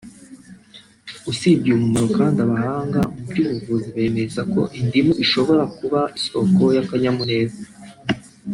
usibye uyu mumaro kandi abahanga mu by’ubuzima bemeza ko indimu ishobora kuba isoko y’akanyamuneza